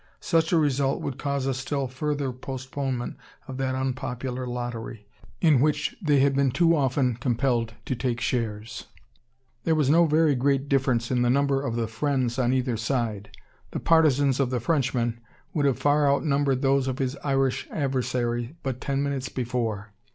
Such a result would cause a still further postponement of that unpopular lottery, in which they had been too often compelled to take shares. There was no very great difference in the number of the "friends" on either side. The partisans of the Frenchman would have far outnumbered those of his Irish adversary, but ten minutes before.